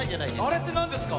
あれってなんですか？